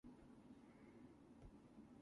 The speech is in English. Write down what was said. Louis died later that year in Rome.